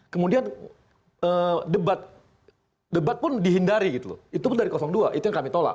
kemudian debat pun dihindari gitu loh itu pun dari dua itu yang kami tolak